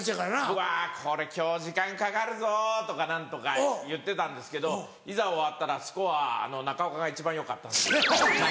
「うわこれ今日時間かかるぞ」とか何とか言ってたんですけどいざ終わったらスコア中岡が一番よかったんです。